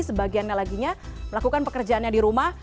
sebagiannya laginya melakukan pekerjaannya di rumah